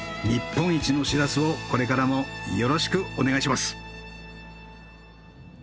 日本一のシラスをこれからもよろしくお願いします。